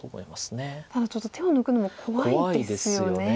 ただちょっと手を抜くのも怖いですよね。